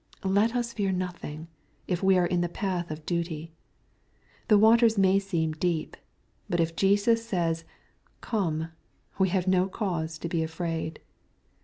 Let us fear nothing, if we are in the path of duty. The waters may seem deep. But if Jesus says, "Come," we have no cause to be afraid.